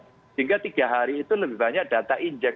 sehingga tiga hari itu lebih banyak data injek